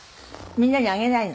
みんなにあげないの？